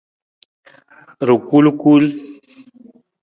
Rakulkul.